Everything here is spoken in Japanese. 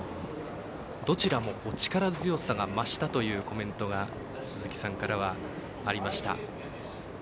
どちらも力強さが増したというコメントが鈴木さんからはありました。